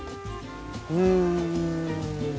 うん。